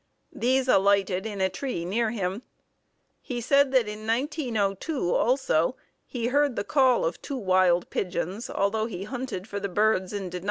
These alighted in a tree near him. He said that in 1902, also, he heard the call of two wild pigeons, although he hunted for the birds and did not find them.